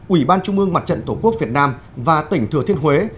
ủy ban trung ương mặt trận tổ quốc việt nam và tỉnh thừa thiên huế